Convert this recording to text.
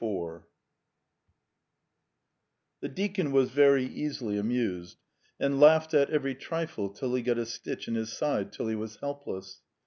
IV The deacon was very easily amused, and laughed at every trifle till he got a stitch in his side, till he was helpless.